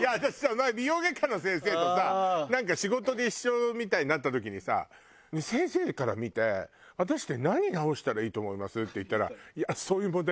前美容外科の先生とさなんか仕事で一緒みたいになった時にさ「先生から見て私って何直したらいいと思います？」って言ったら「そういう問題じゃないです」。